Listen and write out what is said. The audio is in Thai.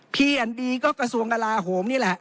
เพียรดีก็กระศวงกราโหมนี่แหละ